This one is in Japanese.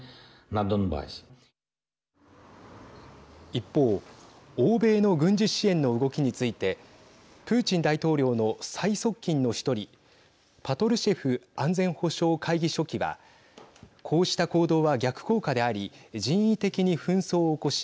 一方欧米の軍事支援の動きについてプーチン大統領の最側近の１人パトルシェフ安全保障会議書記はこうした行動は逆効果であり人為的に紛争を起こし